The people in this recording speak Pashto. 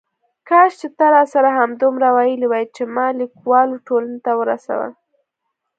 کاش چې تا راسره همدومره ویلي وای چې ما لیکوالو ټولنې ته ورسوه.